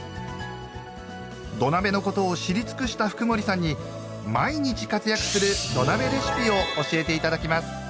土鍋のことを知り尽くした福森さんに毎日活躍する土鍋レシピを教えていただきます。